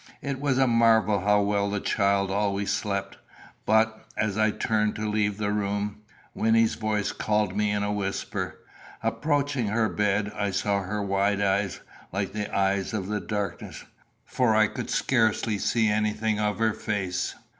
It was a marvel how well the child always slept. But, as I turned to leave the room, Wynnie's voice called me in a whisper. Approaching her bed, I saw her wide eyes, like the eyes of the darkness, for I could scarcely see anything of her face.